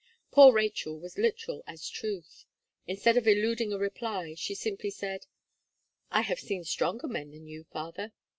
Poor Rachel was literal as truth. Instead of eluding a reply, she simply said: "I have seen stronger men than you, father."